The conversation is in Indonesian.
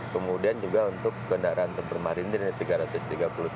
kemudian juga untuk kendaraan bermarindirnya tiga ratus tiga puluh tiga